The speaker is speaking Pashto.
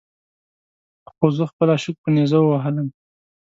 خو زه خپل عشق په نیزه ووهلم.